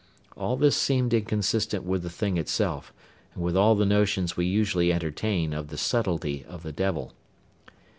All this seemed inconsistent with the thing itself and with all the notions we usually entertain of the subtlety of the devil.